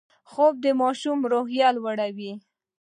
خوب د ماشوم روحیه لوړوي